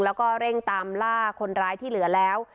แล้วก็เร่งตามล่าคนร้ายที่เหลือแล้ว